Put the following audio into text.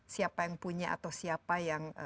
siapa yang punya atau siapa yang